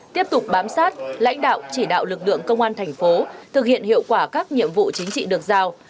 tiếp tục bám sát lãnh đạo chỉ đạo lực lượng công an thành phố thực hiện hiệu quả các nhiệm vụ chính trị được giao